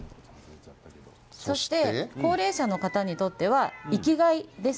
そして高齢者の方にとっては生きがいです。